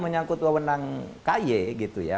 menyangkut wawenang ky gitu ya